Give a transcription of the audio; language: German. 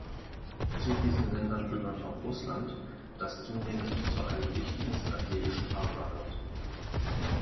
Zu diesen Ländern gehört auch Russland, das zunehmend zu einem wichtigen strategischen Partner wird.